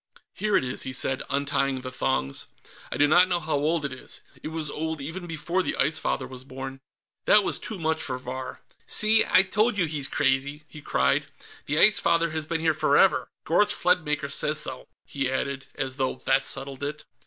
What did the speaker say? "Here it is," he said, untying the thongs. "I do not know how old it is. It was old even before the Ice Father was born." That was too much for Vahr. "See, I told you he's crazy!" he cried. "The Ice Father has been here forever. Gorth Sledmaker says so," he added, as though that settled it.